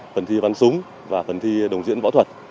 phần thi bắn súng và phần thi đồng diễn võ thuật